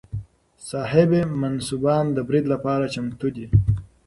صاحب منصبان د برید لپاره چمتو دي.